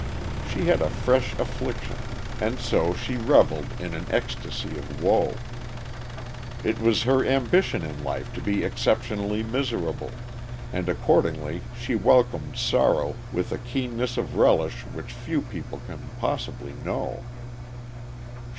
She had a fresh affliction, and so she reveled in an ecstasy of woe. It was her ambition in life to be exceptionally miserable, and accordingly she welcomed sorrow with a keenness of relish which few people can possibly know.